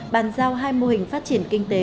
bàn giao hai mô hình phát triển kinh tế